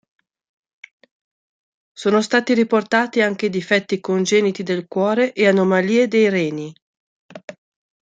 Sono stati riportati anche difetti congeniti del cuore e anomalie dei reni.